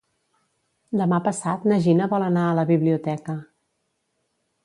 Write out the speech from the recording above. Demà passat na Gina vol anar a la biblioteca.